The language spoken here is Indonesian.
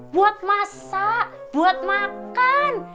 buat masak buat makan